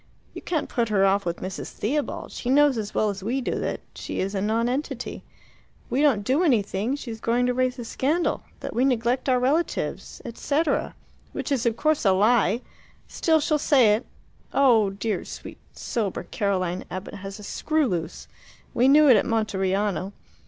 You can't put her off with Mrs. Theobald; she knows as well as we do that she is a nonentity. If we don't do anything she's going to raise a scandal that we neglect our relatives, &c., which is, of course, a lie. Still she'll say it. Oh, dear, sweet, sober Caroline Abbott has a screw loose! We knew it at Monteriano.